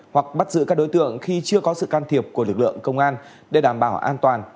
hoặc bắt giữ các đối tượng khi chưa có sự can thiệp của lực lượng công an để đảm bảo an toàn